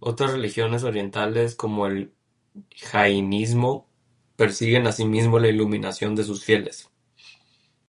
Otras religiones orientales, como el jainismo, persiguen asimismo la iluminación de sus fieles.